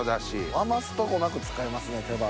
余すとこなく使いますね手羽の。